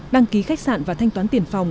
đăng ký khách sạn và thanh toán tiền phòng